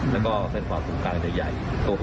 แล้วก็เส้นฝาวสูงกลางจะใหญ่